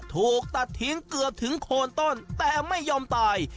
ถูกตัดทิ้งเกือบถึงโคนต้นแต่ไม่ยอมตาย